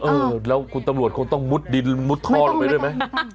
เออแล้วคุณตำรวจคงต้องมุดดินมุดท่อลงไปด้วยไหม